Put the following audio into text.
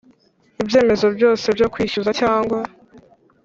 Ibyemezo byose byo kwishyuza cyangwa